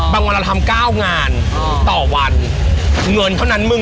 บางวันเราทำเก้างานเออต่อวันเงินเท่านั้นมึง